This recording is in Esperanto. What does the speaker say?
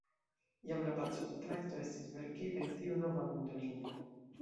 Jam la pacokontrakto estis verkita en tiu nova mondolingvo.